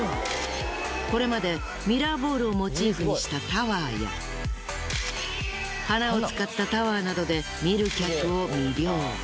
これまでミラーボールをモチーフにしたタワーや花を使ったタワーなどで見る客を魅了。